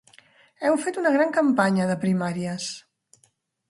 Heu fet una gran campanya de primàries.